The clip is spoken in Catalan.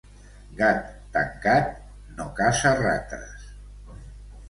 Gat tancat no caça rates.